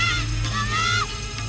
kita berbagi ya mak